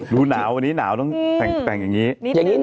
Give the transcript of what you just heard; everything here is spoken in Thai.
ดูหนาววันนี้หนาวต้องแต่งอย่างนี้